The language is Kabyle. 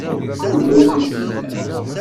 Anda ay tent-tezlamt?